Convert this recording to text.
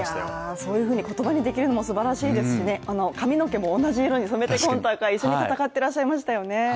そういうふうに言葉にできるのもすばらしいですしね髪の毛も同じ色に染めて今大会、一緒に戦ってらっしゃいましたよね。